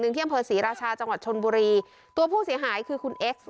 หนึ่งเที่ยงเผอร์ศรีราชาจังหวัดชนบุรีตัวผู้เสียหายคือคุณเอ็กซ